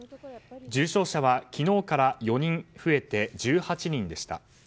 重症者は昨日から４人増えて１８人でした。